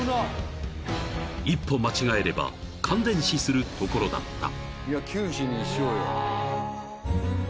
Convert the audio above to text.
［一歩間違えれば感電死するところだった］